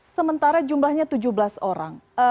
sementara jumlahnya tujuh belas orang